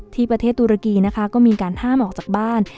ที่ประเทศตุรกีนะคะก็มีการห้ามออกจากบ้าน